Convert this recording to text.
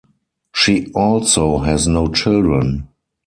She also has no children.